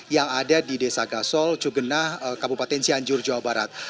yang ada di desa gasol cugenah kabupaten cianjur jawa barat